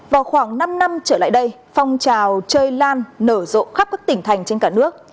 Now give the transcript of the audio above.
vào khoảng năm năm trở lại đây phong trào chơi lan nở rộ khắp các tỉnh thành trên cả nước